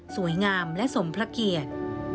สวยงามและสมพระเกียรติ